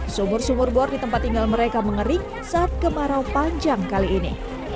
sumur sumur bor di tempat tinggal mereka mengering saat kemarau panjang kali ini